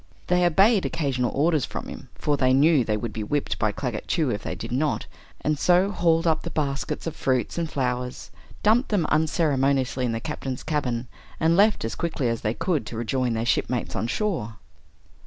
They obeyed occasional orders from him, for they knew they would be whipped by Claggett Chew if they did not, and so hauled up the baskets of fruits and flowers, dumped them unceremoniously in the Captain's cabin, and left as quickly as they could to rejoin their shipmates on shore.